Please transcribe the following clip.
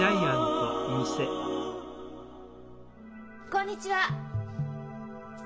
こんにちは。